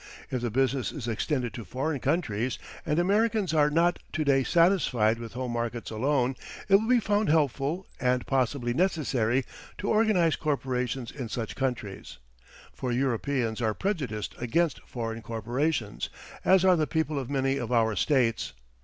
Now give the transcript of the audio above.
If the business is extended to foreign countries, and Americans are not to day satisfied with home markets alone, it will be found helpful and possibly necessary to organize corporations in such countries, for Europeans are prejudiced against foreign corporations, as are the people of many of our states.